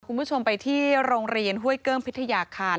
คุณผู้ชมไปที่โรงเรียนห้วยเกิ้งพิทยาคาร